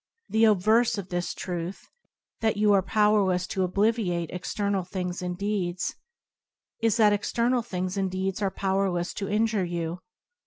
The obverse of this truth — that you are powerless to obviate external things and deeds — is, that external things and deeds are powerless to injure you.